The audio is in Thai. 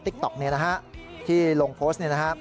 ติ๊กต๊อกนี้นะครับที่ลงโพสต์นี้นะครับ